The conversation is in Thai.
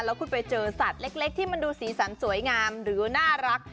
แล้วคุณไปเจอสัตว์เล็กที่มันดูสีสันสวยงามหรือน่ารัก